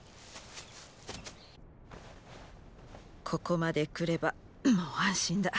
ここまで来ればもう安心だ。